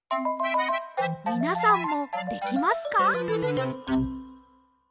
みなさんもできますか？